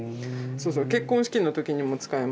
そうそう結婚式の時にも使いますよ。